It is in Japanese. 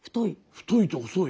太いと細い。